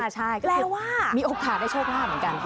ใช่ก็แปลว่ามีโอกาสได้โชคลาภเหมือนกัน